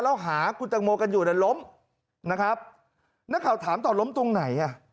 แล้วหาคุณตังโมกันอยู่น่ะล้มนะครับนักข่าวถามต่อล้มตรงไหนอ่ะ